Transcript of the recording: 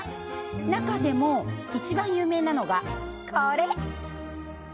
中でも一番有名なのがこれ！